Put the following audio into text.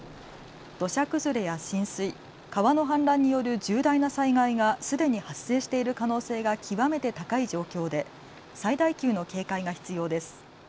土砂崩れや浸水川の氾濫による重大な災害がすでに発生している可能性が極めて高い状況で最大級の警戒が必要です。